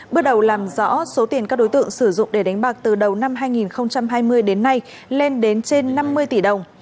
bước đầu làm rõ số tiền các đối tượng sử dụng để đánh bạc từ đầu năm hai nghìn hai mươi đến nay lên đến trên năm mươi tỷ đồng